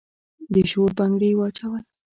د شور بنګړي واچول